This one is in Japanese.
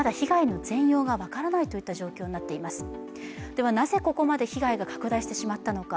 ではなぜここまで被害が拡大してしまったのか。